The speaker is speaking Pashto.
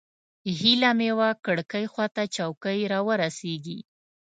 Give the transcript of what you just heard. هیله مې وه کړکۍ خوا ته چوکۍ راورسېږي.